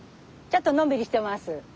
ちょっとのんびりしてます。